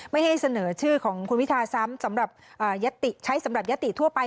ไม่ให้เสนอชื่อของคุณพิทาซ้ำใช้สำหรับยัตติทั่วไป